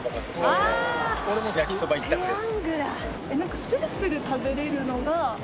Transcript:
焼きそば一択です。